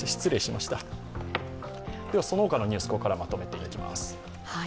そのほかのニュース、ここからまとめていきます。